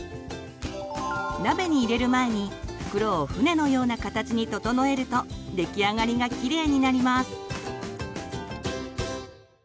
鍋に入れる前に袋を船のような形に整えると出来上がりがキレイになります。